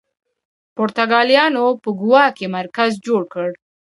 پرتګالیانو په ګوا کې مرکز جوړ کړ.